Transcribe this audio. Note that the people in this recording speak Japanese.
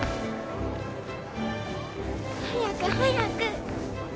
早く早く。